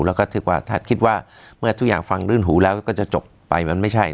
แล้วก็ถือว่าถ้าคิดว่าเมื่อทุกอย่างฟังรื่นหูแล้วก็จะจบไปมันไม่ใช่